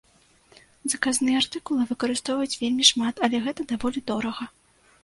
Заказныя артыкулы выкарыстоўваюць вельмі шмат, але гэта даволі дорага.